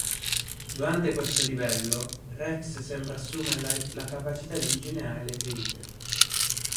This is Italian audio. Durante questo livello, Rex sembra assumere la capacità di rigenerare le ferite.